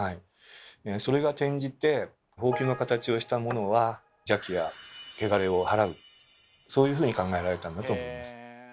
それが転じてほうきの形をしたものは邪気やけがれを払うそういうふうに考えられたんだと思います。